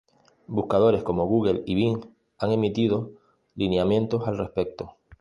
Buscadores como Google y Bing han emitido lineamientos al respecto.